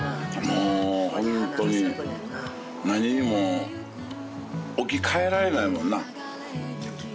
もうホントに何にも置き換えられないもんな。